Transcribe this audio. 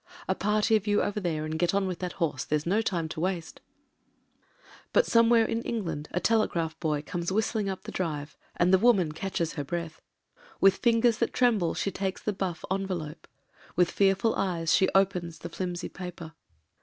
A party of you over there and get on with that horse — there's no Hme to zvaste. ... But somewhere in England a telegraph boy comes v^histling up the drive, and the woman catches her breath. With fingers that tremble she takes the buff envelope — ^with fearful eyes she opens the flimsy paper.